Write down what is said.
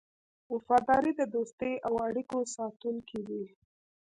وفاداري د دوستۍ او اړیکو ساتونکی دی.